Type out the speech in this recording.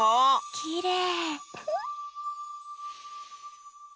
きれい。